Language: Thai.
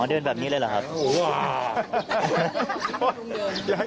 เดินแบบนี้เลยเหรอครับ